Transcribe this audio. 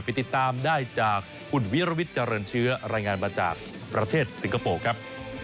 ติดตามได้จากคุณวิรวิทย์เจริญเชื้อรายงานมาจากประเทศสิงคโปร์ครับ